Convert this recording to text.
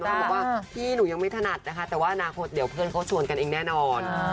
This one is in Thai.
บอกว่าพี่หนูยังไม่ถนัดนะคะแต่ว่าอนาคตเดี๋ยวเพื่อนเขาชวนกันเองแน่นอน